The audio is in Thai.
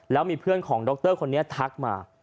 แล้วมีเพื่อนของดรคนนี้ทักมา